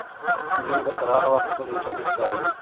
نجونې به تر هغه وخته پورې انټرنیټ کاروي.